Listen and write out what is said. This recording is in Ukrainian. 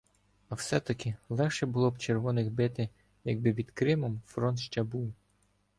А все-таки легше було б червоних бити, якби під Кримом фронт ще був.